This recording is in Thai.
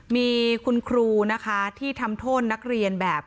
มีคุณครูนะคะที่ทำโทษนักเรียนแบบ